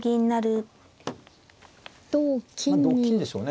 まあ同金でしょうね。